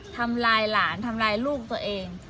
ทำลายหลานทำลายลูกสาว